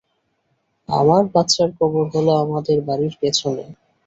আমার বাচ্চার কবর হল আমাদের বাড়ির পেছনে।